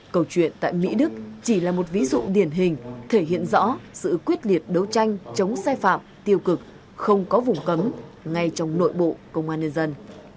câu chuyện tại mỹ đức chỉ là một ví dụ điển hình thể hiện rõ sự quyết liệt đấu tranh chống sai phạm tiêu cực không có vùng cấm ngay trong nội bộ công an nhân dân